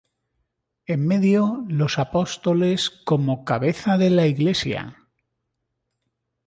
En medio, los Apóstoles como cabeza de la Iglesia.